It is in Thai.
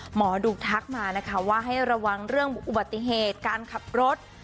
หมอดูทักมานะคะว่าให้ระวังเรื่องอุบัติเหตุการขับรถ